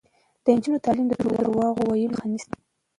د نجونو تعلیم د درواغو ویلو مخه نیسي.